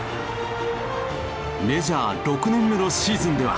メジャー６年目のシーズンでは。